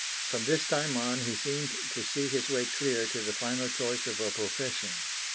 From this time on, he seemed to see his way clear to the final choice of a profession.